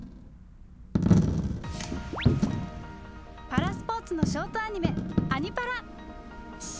パラスポーツのショートアニメ「アニ×パラ」！